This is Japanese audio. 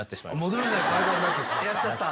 戻れない体になってしまった？